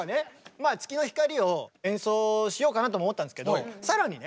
まあ「月の光」を演奏しようかなとも思ったんですけど更にね